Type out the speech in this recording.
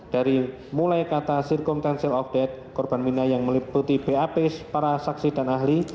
dari mulai kata circumtential of death korban mirna yang meliputi bap para saksi dan ahli